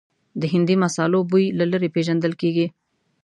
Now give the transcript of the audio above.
د هندي مسالو بوی له لرې پېژندل کېږي.